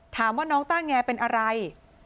ถามว่าน้องต้าแงเป็นอะไร